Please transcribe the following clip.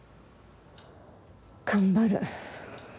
頑張る。